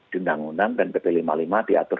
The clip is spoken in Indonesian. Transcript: di undang undang dan pp lima puluh lima diatur